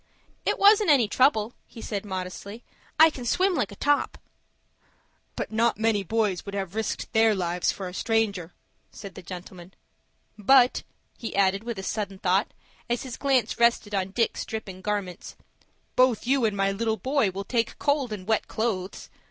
"It wasn't any trouble," he said, modestly. "I can swim like a top." "But not many boys would have risked their lives for a stranger," said the gentleman. "But," he added with a sudden thought, as his glance rested on Dick's dripping garments, "both you and my little boy will take cold in wet clothes.